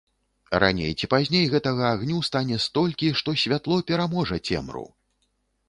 Раней ці пазней гэтага агню стане столькі, што святло пераможа цемру.